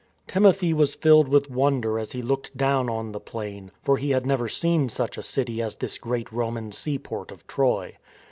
Timothy was filled with wonder as he looked down on the plain, for he had never seen such a city as this great Roman seaport of Troy.